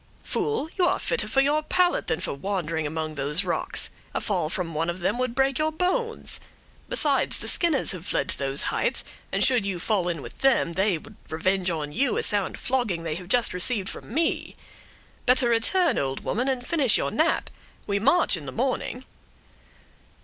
"Fool, you are fitter for your pallet than for wandering among those rocks; a fall from one of them would break your bones; besides, the Skinners have fled to those heights, and should you fall in with them, they would revenge on you a sound flogging they have just received from me. Better return, old woman, and finish your nap; we march in the morning."